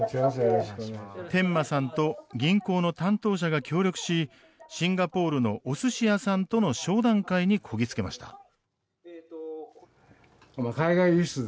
天間さんと銀行の担当者が協力しシンガポールのおすし屋さんとの商談会にこぎ着けました。